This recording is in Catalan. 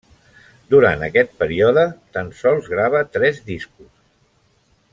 Durant aquest període tan sols grava tres discos.